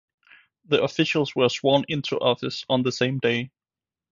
The officials were sworn into office on the same day.